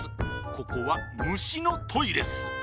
ここはむしのトイレっす。